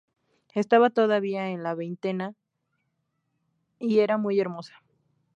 Estaba todavía en la veintena y era muy hermosa.